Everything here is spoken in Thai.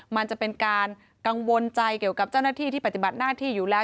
มันจะเป็นการกังวลใจเกี่ยวกับเจ้าหน้าที่ที่ปฏิบัติหน้าที่อยู่แล้ว